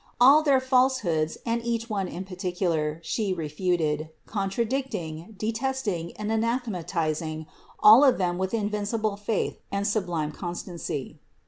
All their falsehoods, and each one in particular, She re futed, contradicting, detesting and anathematizing all of them with invincible faith and sublime constancy.